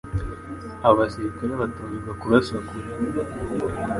abasirikare batozwa kurasa kure